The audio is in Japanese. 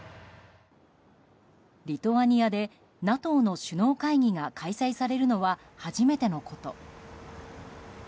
リトアニアでＮＡＴＯの首脳会議が開催されるのは初めてのこと。